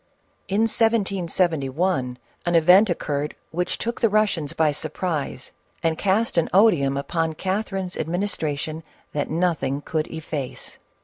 424 CATHERINE OF RUSSIA. In 1771 an event occurred which took the Eussians by surprise, and cast an odium upon Catherine's admin istration that nothing could efface.